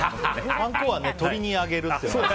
パン粉は、鳥にあげる感じで。